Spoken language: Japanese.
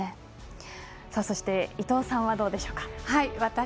そして伊藤さんはどうでしょうか。